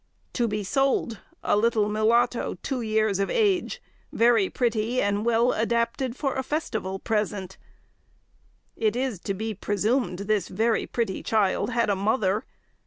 "To be sold, a little mulatto, two years of age, very pretty, and well adapted for a festival present." It is to be presumed this "very pretty" child had a mother.